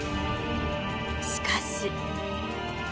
しかし。